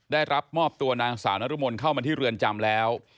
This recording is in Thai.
ได้รับมอบตัวนางสาวนรมนเข้ามาที่เรือนจำแล้ว